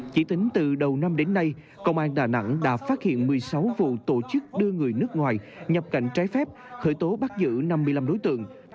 chỉ tính từ đầu năm đến nay công an đà nẵng đã phát hiện một mươi sáu vụ tổ chức đưa người nước ngoài nhập cảnh trái phép khởi tố bắt giữ năm mươi năm đối tượng